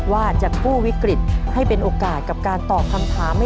ว่าจะกู้วิกฤตให้เป็นโอกาสกับการตอบคำถามให้